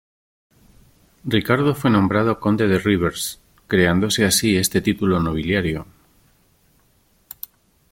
Ricardo fue nombrado Conde de Rivers, creándose así este título nobiliario.